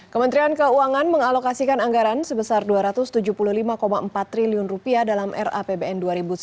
kementerian keuangan mengalokasikan anggaran sebesar rp dua ratus tujuh puluh lima empat triliun dalam rapbn dua ribu sembilan belas